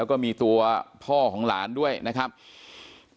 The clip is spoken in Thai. เป็นมีดปลายแหลมยาวประมาณ๑ฟุตนะฮะที่ใช้ก่อเหตุ